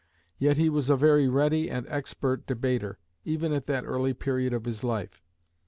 Yet he was a very ready and expert debater, even at that early period of his life.